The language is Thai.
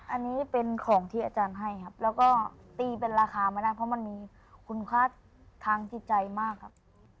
อันนี้เป็นของที่อาจารย์ให้ครับแล้วก็ตีเป็นราคาไม่ได้เพราะมันมีคุณค่าทางจิตใจมากครับ